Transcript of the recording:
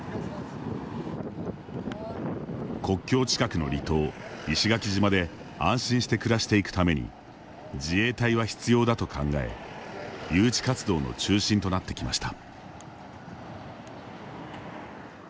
国境近くの離島、石垣島で安心して暮らしていくために自衛隊は必要だと考え誘致活動の中心となってきました。